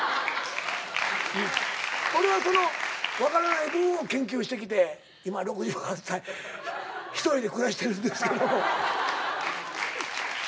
俺はその分からない部分を研究してきて今６８歳一人で暮らしてるんですけども。